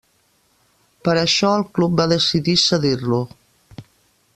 Per això el club va decidir cedir-lo.